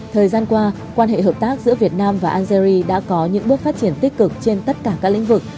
thời gian qua quan hệ hợp tác giữa việt nam và algeria đã có những bước phát triển tích cực trên tất cả các lĩnh vực